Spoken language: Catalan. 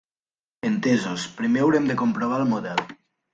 Entesos, primer haurem de comprovar el model.